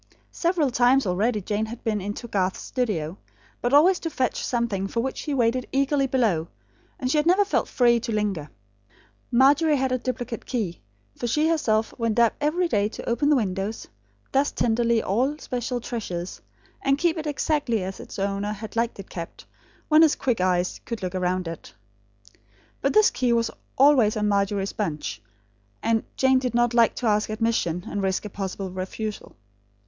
Several times already Jane had been into Garth's studio, but always to fetch something for which he waited eagerly below; and she had never felt free to linger. Margery had a duplicate key; for she herself went up every day to open the windows, dust tenderly all special treasures; and keep it exactly as its owner had liked it kept, when his quick eyes could look around it. But this key was always on Margery's bunch; and Jane did not like to ask admission, and risk a possible refusal.